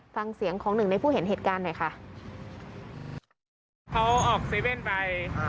ฟังเสียงของหนึ่งในผู้เห็นเหตุการณ์หน่อยค่ะเขาออกเซเว่นไปอ่า